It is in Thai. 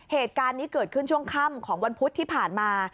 เหตุการณ์นี้เกิดขึ้นช่วงค่ำของวันพุธที่ผ่านมา